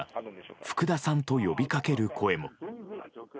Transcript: フクダさんと呼びかける声も。